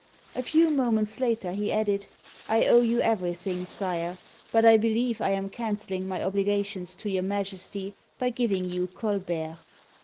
*' A few moments later, he added, " I owe you everything. Sire, but I believe I am canceling my^obligations to your Majesty by giving you Colbert."